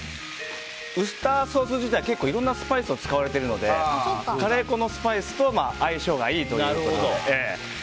ウスターソース自体結構、いろんなスパイスが使われているのでカレー粉のスパイスと相性がいいということで。